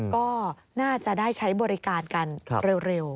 ก็น่าจะได้ใช้บริการกันเร็ว